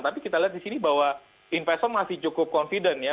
tapi kita lihat di sini bahwa investor masih cukup confident ya